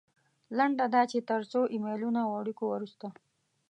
لنډه دا چې تر څو ایمیلونو او اړیکو وروسته.